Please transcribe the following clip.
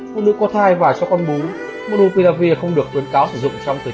cô nữ có thai và cho con bú monopiravir không được khuyến cáo sử dụng trong thời